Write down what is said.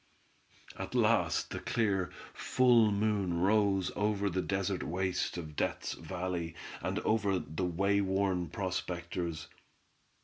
At last the clear, full moon rose over the desert waste of Death's Valley and over the wayworn prospectors.